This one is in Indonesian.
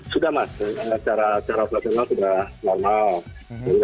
sudah mas secara operasional sudah normal